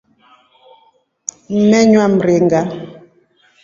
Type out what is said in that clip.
Mmenua mringa.